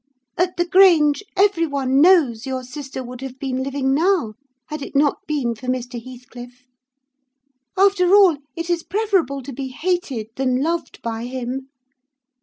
'At the Grange, every one knows your sister would have been living now had it not been for Mr. Heathcliff. After all, it is preferable to be hated than loved by him.